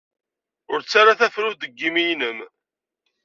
Ur ttarra tafrut deg yimi-nnem.